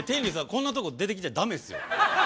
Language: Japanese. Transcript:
こんなとこ出てきちゃ駄目っすよ。